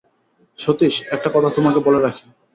সতীশ, একটা কথা তোমাকে বলে রাখি।